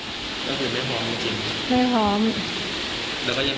แล้วคุณไม่หอมจริง